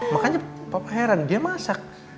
makanya heran dia masak